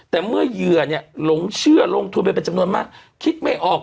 แต่เมื่อเหยื่อเนี่ยหลงเชื่อลงทุนไปเป็นจำนวนมากคิดไม่ออก